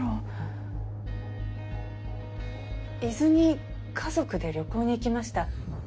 伊豆に家族で旅行に行きました。